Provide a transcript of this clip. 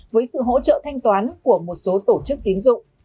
với sự hỗ trợ thanh toán của một số tổ chức tín dụng